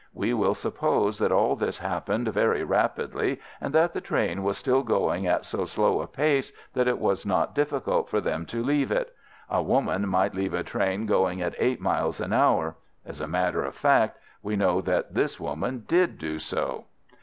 We will suppose that all this happened very rapidly, and that the train was still going at so slow a pace that it was not difficult for them to leave it. A woman might leave a train going at eight miles an hour. As a matter of fact, we know that this woman did do so.